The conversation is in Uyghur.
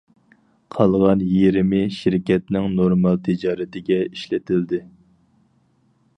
قالغان يېرىمى شىركەتنىڭ نورمال تىجارىتىگە ئىشلىتىلدى.